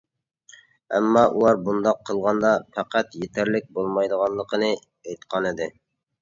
ئەمما ئۇلار بۇنداق قىلغاندا پەقەت يېتەرلىك بولمايدىغانلىقىنى ئېيتقانىدى.